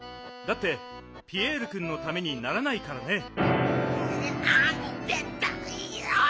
だってピエールくんのためにならないからね。